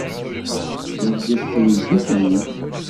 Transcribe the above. Tneggez teydit-nni.